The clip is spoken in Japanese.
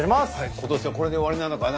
今年はこれで終わりなのかな？